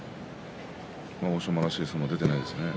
欧勝馬らしい相撲が出ていないですね。